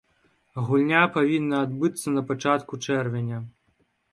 Гульня павінна адбыцца на пачатку чэрвеня.